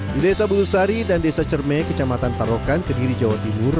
di desa belusari dan desa cermai kecamatan tarokan ke diri jawa timur